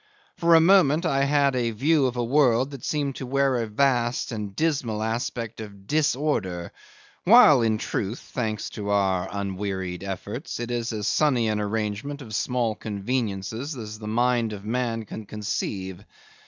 For a moment I had a view of a world that seemed to wear a vast and dismal aspect of disorder, while, in truth, thanks to our unwearied efforts, it is as sunny an arrangement of small conveniences as the mind of man can conceive.